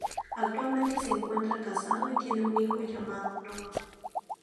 Actualmente se encuentra casado y tiene un hijo, llamado Noah.